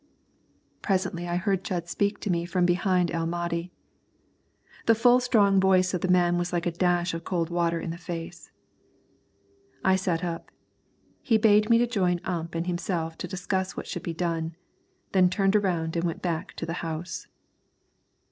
Presently I heard Jud speak to me from behind El Mahdi. The full strong voice of the man was like a dash of cold water in the face. I sat up; he bade me join Ump and himself to discuss what should be done, then turned around and went back to the house.